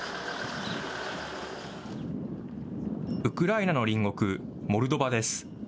ウクライナの隣国モルドバです。